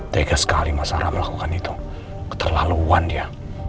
tega sekali mas sarah melakukan itu keterlaluan dia